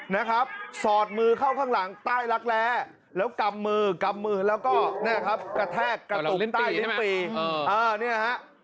นะครับสอดมือเข้าข้างหลังใต้รักแร้แล้วกำมือกำมือแล้วก็เนี่ยครับกระแทกกระตุกใต้ลิ้นปีเนี่ยฮะ